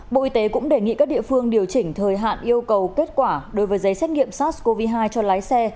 bộ y tế cũng đề nghị các địa phương điều chỉnh thời hạn yêu cầu kết quả đối với giấy xét nghiệm sars cov hai cho lái xe